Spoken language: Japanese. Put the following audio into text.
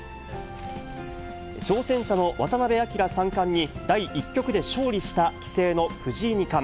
挑戦者の渡辺明三冠に第１局で勝利した棋聖の藤井二冠。